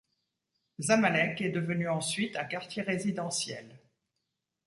Zamalec est devenu ensuite un quartier résidentiel.